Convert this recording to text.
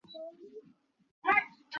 অহ, বন্ধু।